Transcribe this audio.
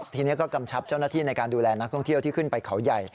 ทีนี้ก็กำชับเจ้าหน้าที่ในการดูแลนักท่องเที่ยวที่ขึ้นไปเขาใหญ่